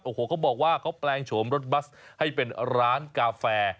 โอ้โหเขาบอกว่าเขาแปลงโฉมรถบัสให้เป็นร้านกาแฟ